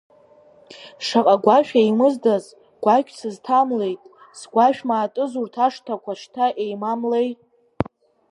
Шаҟа гәашә еимыздаз, гәашәк сызҭамлеит, згәашә маатыз урҭ ашҭақәа шьҭа еимамлеи.